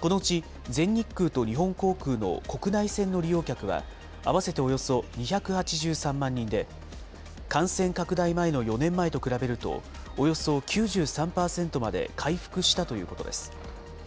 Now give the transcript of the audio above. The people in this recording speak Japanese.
このうち全日空と日本航空の国内線の利用客は合わせておよそ２８３万人で、感染拡大前の４年前と比べるとおよそ９３％まで回復したということです。